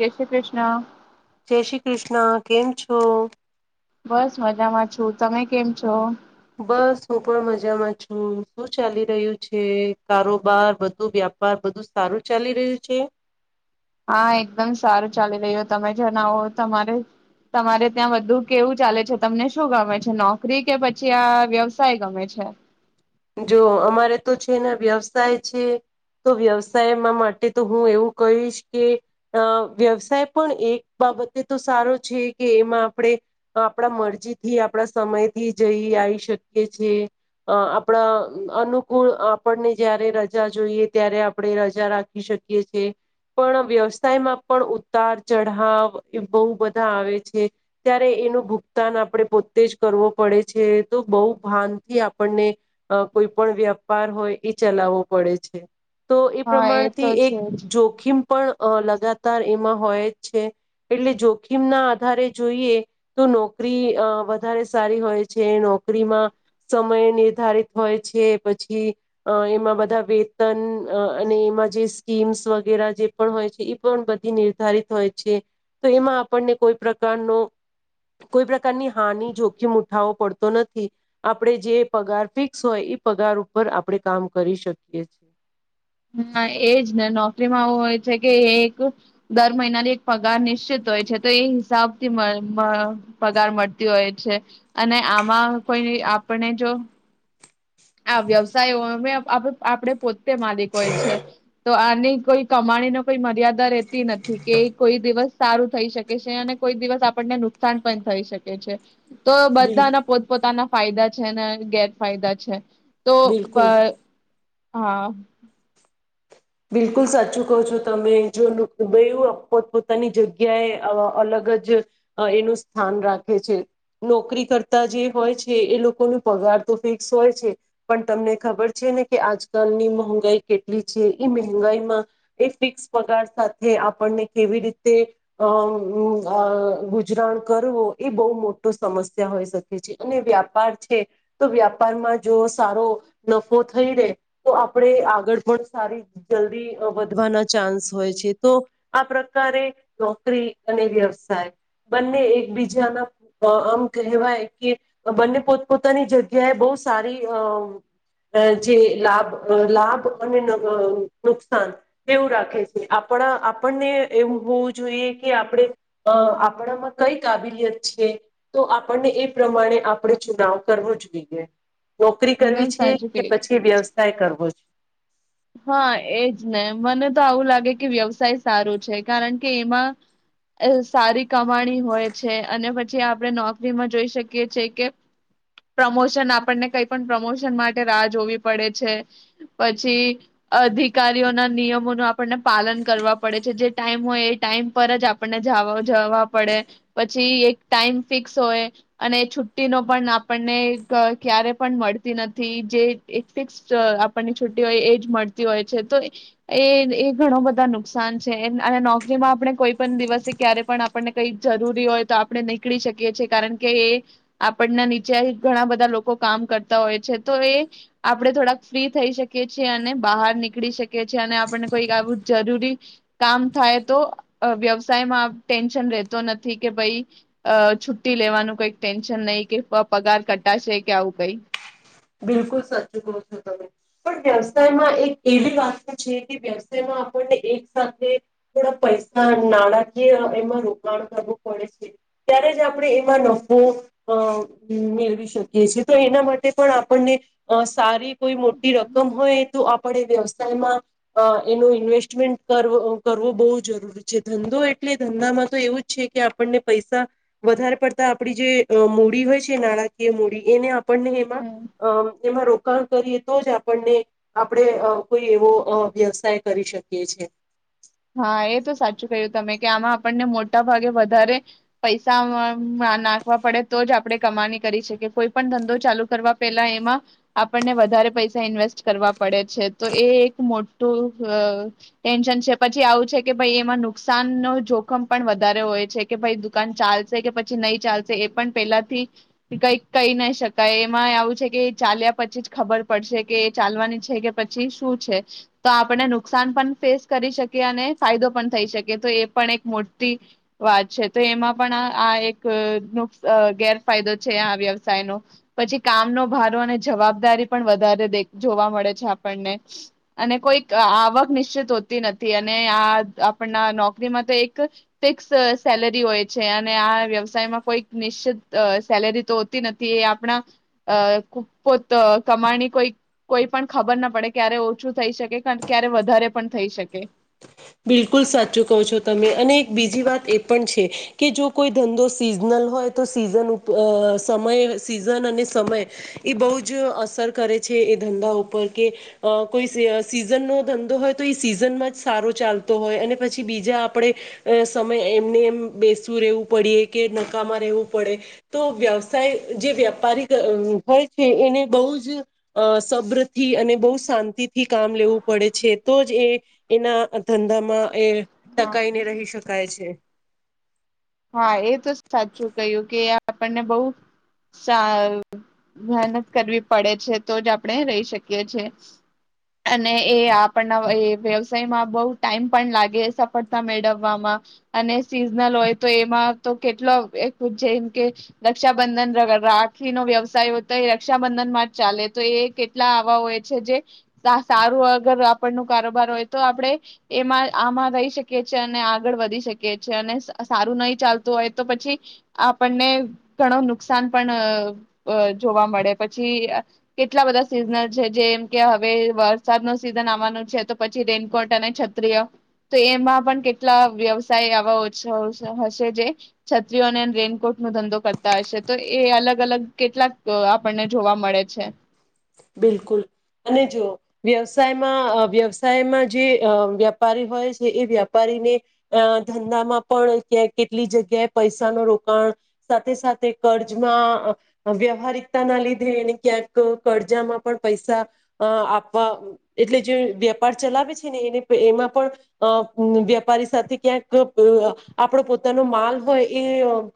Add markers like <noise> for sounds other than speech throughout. જય શ્રી કૃષ્ણ. જય શ્રી કૃષ્ણ કેમ છો? બસ મજામાં છું, તમે કેમ છો.? બસ હું પણ મજામાં છું, શું ચાલી રહ્યું છે.? કારોબાર, બધો વેપાર બધુ સારૂ ચાલી રહ્યું છે? હા એકદમ સારું ચાલી રહ્યું. તમે જણાવો તમારે? તમારે ત્યાં બધું કેવું ચાલે છે? તમને શું ગમે છે, નોકરી કે પછી આ વ્યવસાય ગમે છે.? જો અમારે તો છે, ને વ્યવસાય છે, તો વ્યવસાયમાં માટે તો હું એવું કહીશ કે અ વ્યવસાય પણ એક બાબતે તો સારો છે, કે એમાં આપણે આપણા મરજીથી આપણા સમયથી જઈ આવી શકીએ છેએ, આ અપ આપણા અનુકૂળ આપણને જ્યારે રજા જોઈએ, ત્યારે આપણે રજા રાખી શકીએ છે, પણ વ્યવસાયમાં પણ ઉતાર ચઢાવ બહુ બધા આવે છે, ત્યારે એનું ભુગતાન આપણે પોતે જ કરવો પડે છે, તો બહુ ભાનથી આપણને અ કોઈ પણ વ્યાપાર હોય એ ચલાવવો પડે છે. તો એ હા તો પ્રમાણથી એક છે જ જોખીમ પણ લગાતાર એમાં હોય જ છે. એટલે જોખીમ ના આધારે જોઈએ તો નોકરી વધારે સારી હોય છે. નોકરીમાં સમય નિર્ધારિત હોય છે. પછી એમાં બધા વેતન અને એમાં જે સ્કીમ્સ વગેરે જે પણ હોય છે. એ પણ બધી નિર્ધારિત હોય છે, તો એમાં આપણને કોઈ પ્રકારનો કોઈ પ્રકારની હાનિ જોખીમ ઉઠાવો પડતો નથી આપણેે જે પગાર ફિક સોય એ પગાર ઉપર આપણે કામ કરી શકીએ છીએ. હા એજ ને નોકરીમાં આવું હોય છે કે, એક દર મહિનાની એક પગાર નિશ્ચિત હોય છે. તો એ હિસાબ થી <inaudible> પગાર મળતી હોય છે અને આમાં કોઈ આપને જો આ વ્યવસાય અમે <inaudible> આપડે પોત તે માલિક હોય છે. તો આની કોઈ કમાણી ન કોઈ મર્યાદા રહે <inaudible> નથી કે કોઈ દિવસ સારું થઈ શકે છે. અને કોઈ દિવસ આપણને નુકસાન પણ થઈ શકે છે. તો બિલ બધાનાં પોતપોતાના ફાયદા છે ને, ગેરફાયદા છે. તો <inaudible> બિલકુલ અ હા! બિલકુલ સાચું કહો છો તમે જો, બૈંરુ પોતપોતાની જગ્યાએ અલગ જ એનું સ્થાન રાખે છે. નોકરી કરતા જે હોય છે એ લોકો નો પગાર તો ફિક્સ હોય છે. પણ તમને ખબર છે ને કે આજકાલની મોંગાઈ કેટલી છે? એ મેહગાઈમાં એ ફિક્સ પગાર સાથે આપણને કેવી રીતે અ અ અ ગુજરાણ કરવું એ બહુ મોટો સમસ્યા હોઈ શકે છે. અને વ્યાપાર છે તો વ્યાપારમાં જો સારો નફો થઈ રહે તો આપણે આગળ પણ સારી જલ્દી વધવાના ચાન્સ હોય છે. તો આ પ્રકારે નોકરી અને વ્યવસાય બંને એકબીજાના આમ કહેવાય કે, બંને પોતપોતાની જગ્યાએ બહુ સારી અ જે લાભ લાભ અને નુકસાન એવું રાખે છે. આપણાં આપણને એવું હોવું જોઈએ કે આપણે આપણામાં કઈ કાબિલિયત છે, તો આપણને એ પ્રમાણે આપણે ચુનાવ કરવો જોઈએ. નોકરી એકદમ કરવી છે સાચું કે ક પછી, વ્યવસાય કરવો છે.? હા એજ ને મને તો આવું લાગે કે વ્યવસાય સારો છે. કારણ કે, એમાં સારી કમાણી હોય છે. અને પછી જે આપણે નોકરીમાં જોઈ શકીએ છઈ કે, પ્રમોશન આપણને કઈ પણ પ્રમોશન માટે રાહ જોવી પડે છે. પછી અધિકારીઓના નિયમો નું આપ ને પાલન કરવા પડે છે. જે ટાઈમ હોય, એ ટાઈમ પર જ આપણને જવા જવા પડેવ પછી એક ટાઈમ ફિક્સ હોય, અને છુટ્ટીનો પણ આપણને ક ક્યારે પણ મળતી નથી. જે એક ફિક્સડ આપણની છુટ્ટી હોય એ જ મળતી <inaudible> હોય છે. તો એ એ ઘણા બધા નુકસાન છે અને નોકરીમાં આપણે કોઈ પણ દિવસે ક્યારે પણ આપણને કઈ જરૂરી હોય તો, આપણે નીકળી શકીએ છે. એ કારણ કે એ આપણના નીચે ઘણા બધા લોકો કામ કરતા હોય છે. તો એ આપણે થોડાક ફ્રી થઈ શકીએ છીએ અને બહાર નીકળી શકે છે. અને આપણને કોઈક આવું જરૂરી કામ થાય તો વ્યવસાયમાં ટેન્શન રહેેતો નથી. કે ભઈ છુટ્ટી લેવાનું કઈક ટેન્શન નહી કે પગાર કટાશે કે આવું કઈ. બિલકુલ સાંચુ કહો છો તમે. પણ વ્યવસાયમાં એક એવી વાત છે કે, વ્યવસાયમાં આપણને એક સાથે થોડા પૈસા નાણાકીય એમાં રોકાણ કરવું પડે છે. ત્યારે જ આપણે એમાં નફો અ મેળવી શકીએ છીએ તો એના માટે પણ આપણને સારી કોઈ મોટી રકમ હોય તો, આપણે વ્યવસાયમાં અ એનો ઇન્વેસ્ટમેન્ટ કર કરવો બહુ જરૂરી છે. ધંધો એટલે ધંધામાં તો એવું જ છે કે, આપણને પૈસા વધારે પડતા આપડી જે મૂડી હોય છે. નાણાકીય મૂડી એને આપ પણનેઈમાં હમ અમ એમાં રો ણ કરીએ તો જ આપણને આપડે અ કોઈ એવો અ વ્યવસાય કરી શકીએ છે હા એ તો સાચું કહ્યું તમે કે આમાં આપણને મોટા ભાગે વધારે પૈસા અ અમ્મ નાખવા પડે તો જ આપણે કમાની કરી શકીએ કોઈ પણ ધંધો ચાલુ કરવા પેલા એમાં આપણને વધારે પૈસા ઇન્વેસ્ટ કરવા પડે છે, તો એ એક મોટું અ ટેન્શન છે. પછી આવું છે કે ભાઈ એમાં નુકસાન ન જોખમ પણ વધારે હોય છે, કે ભાઈ દુકાન ચાલશે કે પછી નહી ચાલશે એ પણ પેલાથી કઈ કઈ નહી શકાય એમાં આવું છે, કે ચાલ્યા પછી જ ખબર પડશે કે એ ચાલવાની છે, કે પછી શું છે તો આપણને નુકસાન પણ ફેસ કરી શ કે અને ફાયદો પણ થઈ શકે તો એ પણ એક મોટી વાત છે તો એમાં પણ આ આ એક નુકસ ગેરફાયદો છે આ વ્યવસાય ન પછી કામનો ભારો અને જવાબદારી પણ વધારે દે જોવા મળે છે આપણને અને કોઈક આવક નિશ્ચિત હોતી ન તિ અને આ આપણના નોકરીમાં તો એક ફિક્સ સેલેરી હોય છે અને આ વ્યવસાયમાં કોઈ નિશ્ચિત અ સેલેરી તો હોતી નથી એ આપણા અ ખૂ પોત કમાણી કોઈ કોઈ પણ ખબર ના પડે ક્યારે ઓછું થઈ શકે ક્યારે વધારે પણ થઈ શકે. બિલકુલ સાચું કહો છો તમે અને એક બીજી વાત એ પણ છે કે જો કોઈ ધંધો સિઝનલ હોય તો સીઝન ઉપ અ સમય સિઝન અને સમય એ બઉ જ અસર કરે છે, એ ધંધા ઉપર કે અ કોઈ સીઝનનો ધંધો હોય તો ઈ સીઝનમાં જ સારો ચાલતો હોય અને પછી બીજા આપણે અ સમય એમને એમ બેસવું રહેેવું પડીએ કે નકામાં રહેવું પડે તો વ્યવસાય જે વ્યાપારી અમ્મ હોય છે એને બહુ જ અ સબ્ર થી અને બહુ શાંતિ થી કામ લેવું પડે છે, તો જ એ એના ધંધામાં એ હા. ટકાઈને રહી શકાય છે. હા એ તો સાચું કય્યું કે આપણને બઉ સા મહેનત કરવી પડે છે, તો જ આપણે રહી શકીએ છે, અને એ આપણના એ વ્યવસાયમાં બહુ ટાઈમ પણ લાગે સફળતા મેળવવામાં અને સિઝનલ હોય તો એમાં તો કેટલો એ જેમ કે રક્ષાબંધન ર રાખીનો વ્યવસાય હોય તો એ રક્ષાબંધનમાં જ ચાલે તો એ કેટલા આવા હોય છે, જે સા સારું અગર આપણનુ કારોબાર હોય તો આપણે એમાં આમાં રહી શકી છે અને આગળ વધી શકીએ છે અને સારું નઈ ચાલતું હોય તો પછી આપણને ઘણું નુકસાન પણ અ અ જોવા મળે પછી કેટલા બધા સિઝનલ છે, જેમ કે હવે વરસાદ ન સિઝન આવવાનું છે, તો પછી રેનકોટ અને છત્રીઓ તો એમાં પણ કેટલા વ્યવસાય આવા હશે જે છત્રીઓને રેનકોટ નો ધંધો કરતા હશે તો એ અલગ અલગ કેટલાક આપણને જોવા મળે છે બિલકુલ અને જો વ્યવસાયમાં વ્યવસાયમાં જે અ વ્યાપારી હોય છે, એ વ્યાપારીને અ ધંધામાં પણ ક્યાં કેટલી જગ્યાએ પૈસા ન રોકાણ સાથે સાથે કર્જમાં અ વ્યવહારિકતાના લીધે એને ક્યાંક પડજામાં પણ પૈસા અ આપવા એટલે જે વેપાર ચલાવે છે ને એને એમાં પણ અ વેપારી સાથે ક્યાંક અ આપણો પોતાનો માલ હોય એ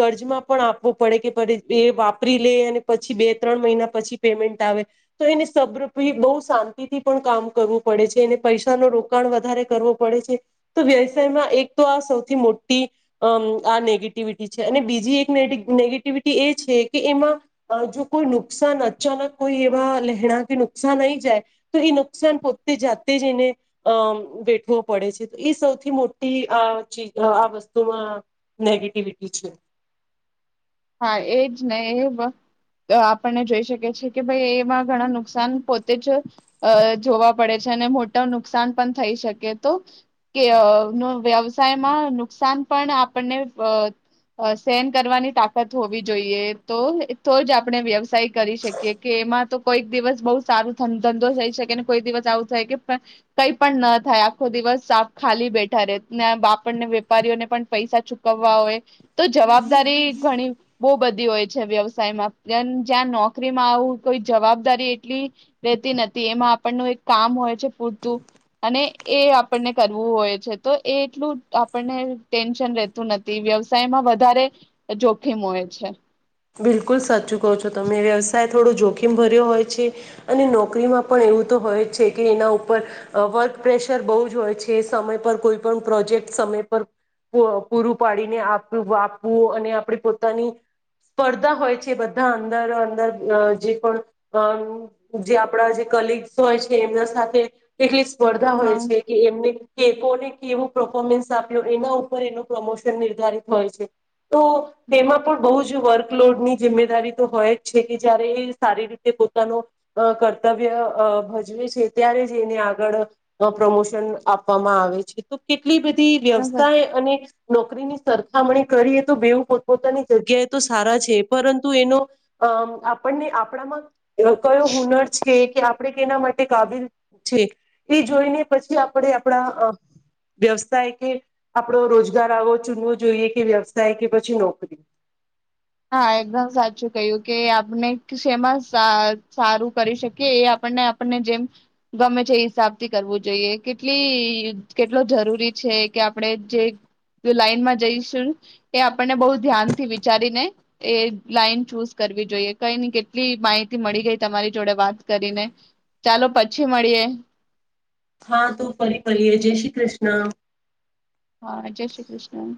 કર્જમાં પણ આપવો પડે કે પ એ વાપરી લે અને પછી બે ત્રણ મહિના પછી પેમેન તાવે તો એને સ્ર બઉ શાંતિથી પણ કામ કરવું પડે છે એને પૈસા ન રોકાણ વધારે કરવો પડે છે તો વ્યવસાયમાં એક તો આ સૌથી મોટી અમ્મ આ નેગેટિવિટી છે અને બીજી એક નેગી નેગેટિવિટી એ છે કે એમાં અ જો કોઈ નુકસાન અચાનક કોઈ એવા લહેણા કે નુકસાન આઈ જાય તો એ નુકસાન પોતે જાતે જ એને અ વેઠવો પડે છે, તો એ સૌથી મોટી આ આ વસ્તુમાં નેગેટીવીટી છે. હા એજ ને એ વ આપણને જોઈ શકી છે કે ભાઈ એમાં ઘણા નુકસાન પોતે જ અ જોવા પડે છે, અને મોટા નુકસાન પણ થઈ શકે તો કે અ વ્યવસાયમાં નુકસાન પણ આપણને અ સહન કરવાની તા <unintelligible> હોવી જોઈએ તો તોજ આપણે વ્યવસાય કરી શકીએ કે એમાં તો કોઈક દિવસ બઉ સારો ધન ધંધો થઈ શકે કોઈક દિવસ આવું થાય કે કઈ પણ ન થાય આખો દિવસ ખાલી બેઠા રે ને આપણને વેપારીઓને પણ પૈસા ચુકવવા હોય. તો જવાબદારી ઘણી બો બધી હોય છે વ્યવસાયમાં જ્યાં નોકરીમાં આવું કોઈ જવાબદારી એટલી રહેેતી નથી એમાં આપણનું એક કામ હોય છે પૂરતું અને એ આપણને કરવું હોય છે તો એ એટલું આપણને ટેન્શન રહેેતું નથી વ્યવસાયમાં વધારે જોખીમ હોય છે. બિલકુલ સાચું કહો છો તમે વ્યવસાય થોડો જોખીમ ભર્યો હોય છે અને નોકરીમાં પણ એવું તો હોય જ છે કે એના ઉપર અ વર્ક પ્રેશર બઉજ હોય છે સમય પર કોઈ પણ પ્રોજેક્ટ સમય પર પૂઅ પૂરું પાડીને આપ આપવું અને આપણે પોતાની સ્પર્ધા હોય છે બધા અંદર રો અંદર અ જે પણ અ જે આપણા જે કલીગ્સ હોય છે એમના સાથે <unintelligible> સ્પર્ધા હોય હા છે, કે એમને કે કોને કેવું પરફોર્મન્સ આપ્યું એના ઉપર એનું પ્રમોશન નિર્ધારિત હોય છે. તો તેમાં પણ બહુ વર્કલોડની જિમ્મેદારી તો હોય જ છે, કે જયારે એ સારી રીતે પોતાનો અ કર્તવ્ય અ ભજવે છે, ત્યારે જ એને આગળ અ પ્રમોશન આપવામાં આવે છે. તો એટલી બધી વ્યવસાય અને નોકરીની સરખામણી કરીએ તો બેવું પોતપોતાની જગ્યાએ તો સારા છે પરંતુ એનો અમ આપણને આપણામાં કયો હુનર છે કે આપણે કેના માટે કાબિલ છે એ જોઈને પછી આપણે આપણા અ વ્યવસાય કે આપણો રોજગાર આવો ચૂનવો જોઈએ કે વ્યવસાય કે પછી નોકરી હા એકદમ સાચું કય્યું કે આપને સેમા સ સારું કરી શકીએ એ આપણને આપણને જેમ ગમે છે એ હિસાબથી કરવું જોઈએ કેટલી કેટલો જરૂરી છે, કે આપણે જે જો લાઈનમાં જઈશું એ આપણને બઉ ધ્યાનથી વિચારીને એ લાઈન ચૂઝ કરવી જોઈએ કઈ નહીં કેટલી માહિતી મળી ગઈ તમારી જોડે વાત કરીને ચાલો પછી મળીએ. હા તું ફરી <unintelligible> જય શ્રી કૃષ્ણ. હા જય શ્રી કૃષ્ણ.